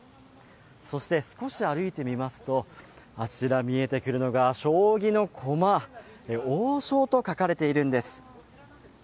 そして少し歩いてみますとあちら見えてくるのが将棋の駒、王将と書かれているんです。